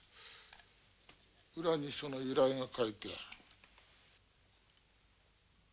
裏にその由来が書いてある。